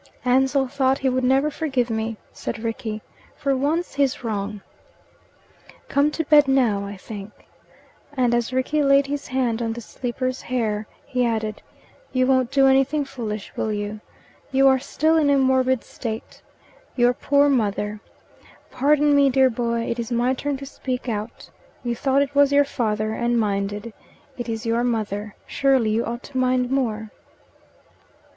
"Ansell thought he would never forgive me," said Rickie. "For once he's wrong." "Come to bed now, I think." And as Rickie laid his hand on the sleeper's hair, he added, "You won't do anything foolish, will you? You are still in a morbid state. Your poor mother Pardon me, dear boy; it is my turn to speak out. You thought it was your father, and minded. It is your mother. Surely you ought to mind more?"